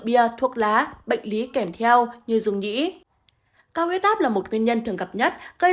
bia thuốc lá bệnh lý kèm theo như dùng nhĩ cao huyết áp là một nguyên nhân thường gặp nhất gây